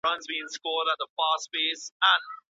ولي علماء د نکاح د خطرونو په اړه نه غږيږي؟